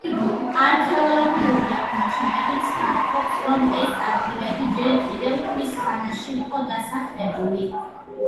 არქეოლოგიური აღმოჩენები ცხადყოფს, რომ ეს ადგილები ჯერ კიდევ ქვის ხანაში იყო დასახლებული.